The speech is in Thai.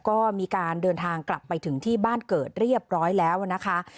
ก็มีการเดินทางกลับไปถึงที่บ้านเกิดเรียบร้อยแล้วนะคะ